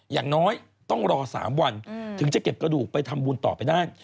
อย่างน้อยต้องรอ๓วันถึงจะเก็บกระดูกไปทำบุญต่อไปได้